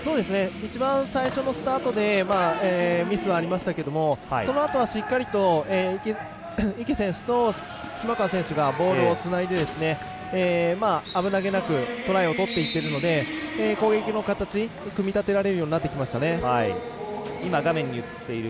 一番最初のスタートでミスはありましたがそのあとはしっかりと池選手と島川選手がボールをつないで、危なげなくトライを取っていってるので攻撃の形を組み立てられるようになってきましたね。